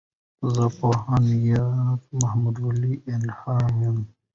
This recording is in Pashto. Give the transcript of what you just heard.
زۀ پوهنيار محمدولي الهام يم.